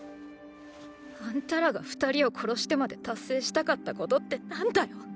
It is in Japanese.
あんたらが二人を殺してまで達成したかったことって何だよ。